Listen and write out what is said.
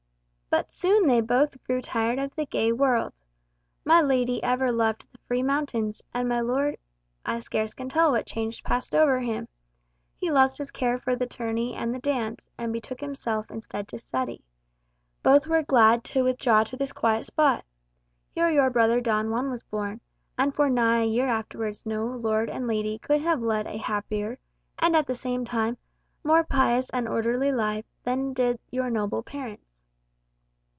But soon they both grew tired of the gay world. My lady ever loved the free mountains, and my lord I scarce can tell what change passed over him. He lost his care for the tourney and the dance, and betook himself instead to study. Both were glad to withdraw to this quiet spot. Here your brother Don Juan was born; and for nigh a year after wards no lord and lady could have led a happier and, at the same time, more pious and orderly life, than did your noble parents."